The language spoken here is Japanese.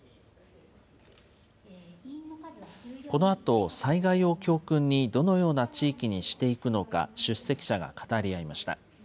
このあと災害を教訓に、どのような地域にしていくのか、出席者が語り合いました。